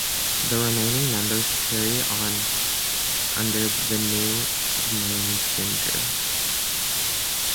The remaining members carried on under the new name Ginger.